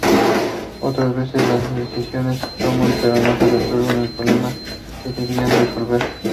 Otras veces, las decisiones se toman, pero no resuelven el problema que debían resolver.